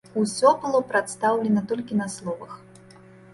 Усё было прадастаўлена толькі на словах.